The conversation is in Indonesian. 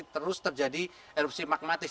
terus terjadi erupsi magmatis